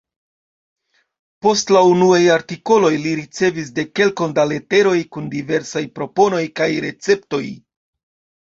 Post la unuaj artikoloj li ricevis dekkelkon da leteroj kun diversaj proponoj kaj receptoj.